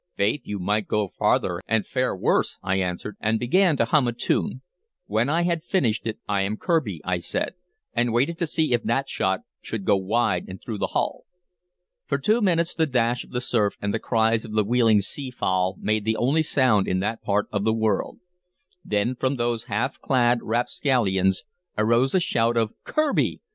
"Faith, you might go farther and fare worse," I answered, and began to hum a tune. When I had finished it, "I am Kirby," I said, and waited to see if that shot should go wide or through the hull. For two minutes the dash of the surf and the cries of the wheeling sea fowl made the only sound in that part of the world; then from those half clad rapscallions arose a shout of "Kirby!"